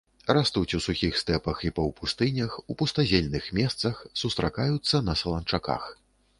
Растуць у сухіх стэпах і паўпустынях, у пустазельных месцах, сустракаюцца на саланчаках.